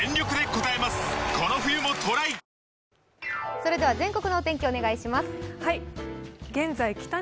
それでは全国のお天気、お願いします。